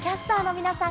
皆さん。